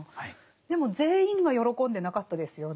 でも全員が喜んでなかったですよね。